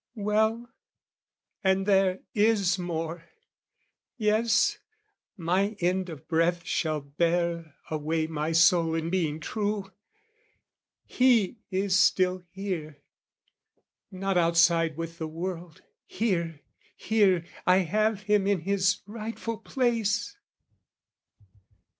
Well, and there is more! Yes, my end of breath Shall bear away my soul in being true! He is still here, not outside with the world, Here, here, I have him in his rightful place!